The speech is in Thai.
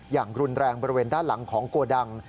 อย่างรุนแรงบริเวณด้านหลังของโกดัง